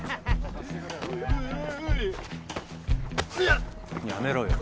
やめろよ。